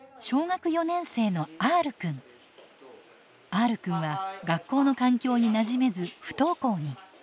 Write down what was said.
Ｒくんは学校の環境になじめず不登校に。